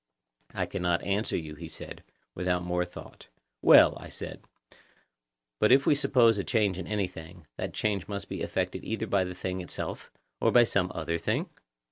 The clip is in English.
I cannot answer you, he said, without more thought. Well, I said; but if we suppose a change in anything, that change must be effected either by the thing itself, or by some other thing?